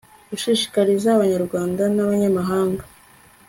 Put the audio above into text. gushishikariza abanyarwanda n'abanyamahanga